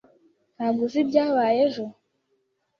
Ntabwo uzi ibyabaye ejo?